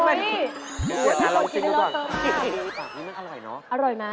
อันนี้มันอร่อยเนาะ